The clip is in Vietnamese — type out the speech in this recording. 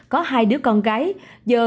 có hai đứa con gái giờ